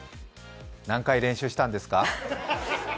何回練習したんですか？